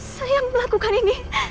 saya yang melakukan ini